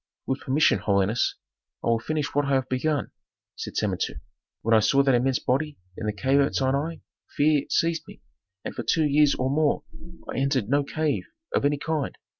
"With permission, holiness, I will finish what I have begun," said Samentu. "When I saw that immense body in the cave at Sinai fear seized me, and for two years or more I entered no cave of any kind.